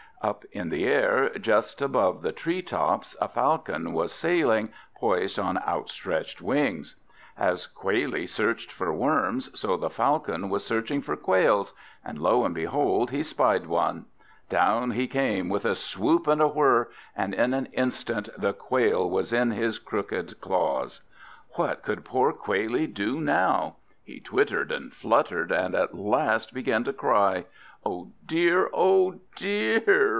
Up in the air, just above the tree tops, a Falcon was sailing, poised on outstretched wings; as Quailie searched for worms, so the Falcon was searching for quails; and lo and behold, he spied one! Down he came with a swoop and a whirr, and in an instant the Quail was in his crooked claws. What could poor Quailie do now? He twittered and fluttered, and at last began to cry. "Oh dear, oh dear!"